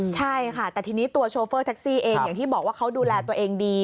ใช่ค่ะแต่ทีนี้ตัวโชเฟอร์แท็กซี่เองอย่างที่บอกว่าเขาดูแลตัวเองดี